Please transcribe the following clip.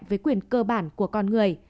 với quyền cơ bản của con người